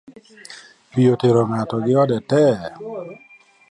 Pi otero ng’ato gi ode tee